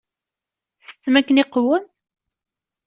Tsettem akken iqwem?